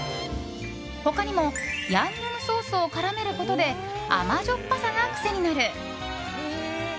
他にもヤンニョムソースを絡めることで甘じょっぱさが癖になる！